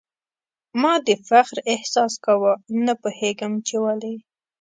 ما د فخر احساس کاوه ، نه پوهېږم چي ولي ؟